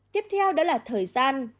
tiếp theo đó là thời gian